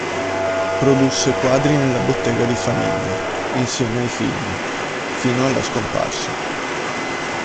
Produsse quadri nella bottega di famiglia, insieme ai figli, fino alla scomparsa.